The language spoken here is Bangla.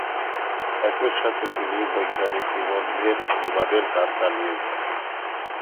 একই সাথে তিনি বৈজ্ঞানিক নিবন্ধের অনুবাদের কাজ চালিয়ে যান।